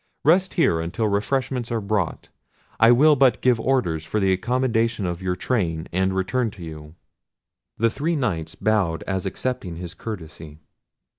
Rest here until refreshments are brought. I will but give orders for the accommodation of your train, and return to you." The three Knights bowed as accepting his courtesy.